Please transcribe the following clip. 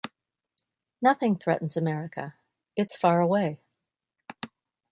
Nothing threatens America, it's far away.